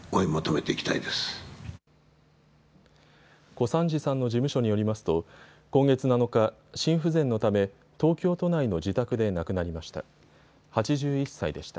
小三治さんの事務所によりますと今月７日、心不全のため東京都内の自宅で亡くなりました。